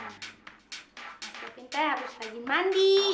nah mas pintai harus pagi mandi